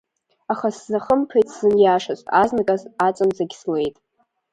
Аха сзахымԥеит сзыниашаз, азныказ аҵанӡагь слеит…